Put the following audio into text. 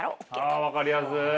ああ分かりやすい。